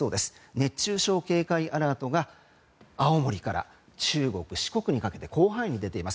熱中症警戒アラートが青森から中国・四国にかけて広範囲に出ています。